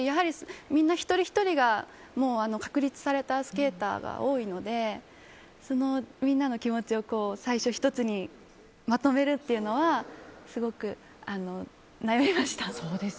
みんな一人ひとりが確立されたスケーターが多いのでそのみんなの気持ちを最初１つにまとめるというのはすごく悩みました。